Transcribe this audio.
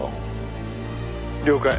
「了解。